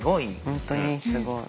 本当にすごい。